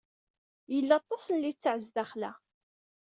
Yella aṭas n litteɛ sdaxel-a.